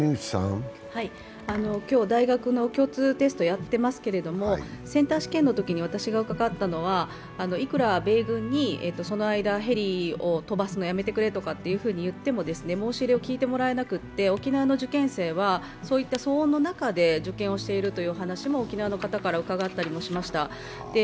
今日大学の共通テストやってますけれども、センター試験のときに私が関わったのは、いくら米軍にその間ヘリを飛ばすのやめてくれと言っても申し入れを聞いてもらえなくて沖縄の受験生はそういった騒音の中で受験をしてるという話も沖縄の方から伺ったりもしました。